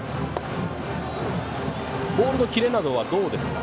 ボールのキレなどはどうですか。